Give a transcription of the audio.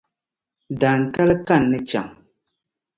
Dantali ka n ni chaŋ.